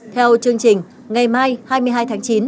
theo chương trình ngày mai hai mươi hai tháng chín